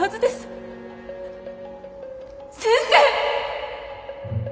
先生！